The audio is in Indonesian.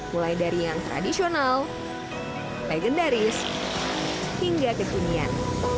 mulai dari yang tradisional legendaris hingga kekunian